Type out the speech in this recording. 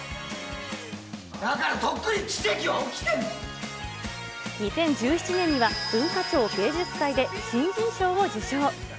だからとっくに奇跡は起きて２０１７年には、文化庁芸術祭で新人賞を受賞。